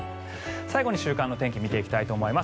最後に週間の天気を見ていきたいと思います。